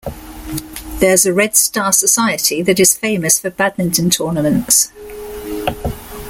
There's a Red Star Society that is famous for Badminton tournaments.